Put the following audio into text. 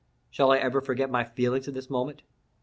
Shall I ever forget my feelings at this moment?